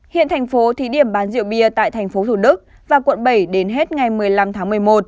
hiện thành phố thí điểm bán rượu bia tại thành phố thủ đức và quận bảy đến hết ngày một mươi năm tháng một mươi một